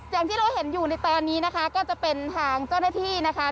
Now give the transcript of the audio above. อย่างที่เราเห็นอยู่ในตอนนี้นะคะก็จะเป็นทางเจ้าหน้าที่นะคะ